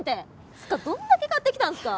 つうかどんだけ買ってきたんすか？